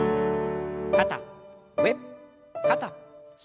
肩上肩下。